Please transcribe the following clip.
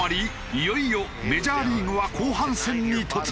いよいよメジャーリーグは後半戦に突入。